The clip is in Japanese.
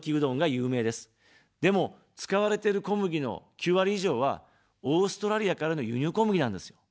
でも、使われてる小麦の９割以上はオーストラリアからの輸入小麦なんですよ。